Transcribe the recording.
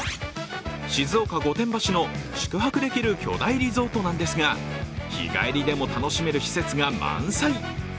静岡・御殿場市の宿泊できる巨大リゾートなんですが日帰りでも楽しめる施設が満載。